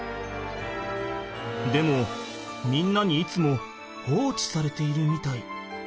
でもみんなにいつも放置されているみたい。